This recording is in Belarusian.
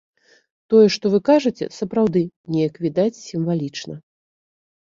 Тое, што вы кажаце, сапраўды неяк відаць сімвалічна.